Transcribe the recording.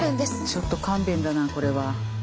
ちよっと勘弁だなこれは。